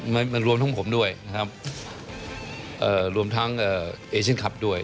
มันรวมทั้งผมด้วยนะครับรวมทั้งเอเชนคลับด้วย